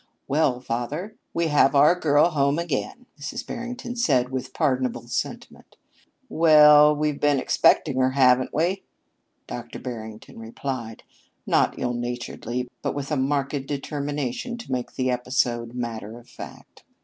"Well, father, we have our girl home again," Mrs. Barrington said with pardonable sentiment. "Well, we've been expecting her, haven't we?" Dr. Barrington replied, not ill naturedly but with a marked determination to make the episode matter of fact.